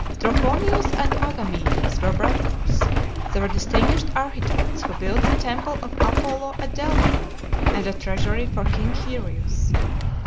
Trophonius and Agamedes were brothers. They were distinguished architects, and built the temple of Apollo at Delphi, and a treasury for King Hyrieus.